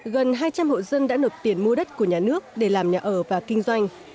gần hai trăm linh hộ dân đã nộp tiền mua đất của nhà nước để làm nhà ở và kinh doanh